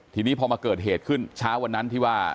ทีนี้พอมาเกิดเหตุขึ้นเช้าวันนั้นที่ว่า